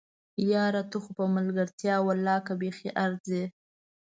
یاره! ته خو په ملګرتيا ولله که بیخي ارځې!